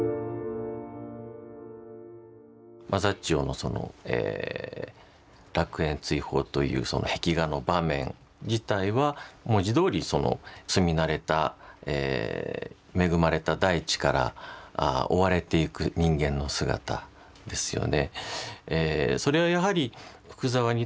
マザッチョのその「楽園追放」という壁画の場面自体は文字どおり住み慣れた恵まれた大地から追われていく人間の姿ですよね。